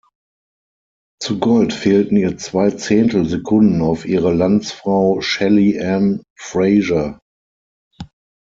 Zu Gold fehlten ihr zwei Zehntelsekunden auf ihre Landsfrau Shelly-Ann Fraser.